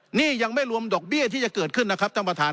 หนี้ยังไม่รวมดอกเบี้ยที่จะเกิดขึ้นนะครับท่านประธาน